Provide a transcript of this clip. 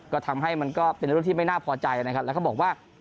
ก็ทำให้มันก็เป็นเรื่องที่ไม่น่าพอใจนะครับแล้วก็บอกว่า